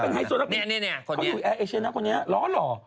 เขาเป็นไอโซนักบินคนุ่นแอร์เอเชียนนะคนนี้ร้อนเหรอ